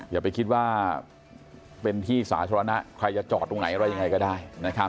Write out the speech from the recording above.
อย่าไปคิดว่าเป็นที่สาธารณะใครจะจอดตรงไหนอะไรยังไงก็ได้นะครับ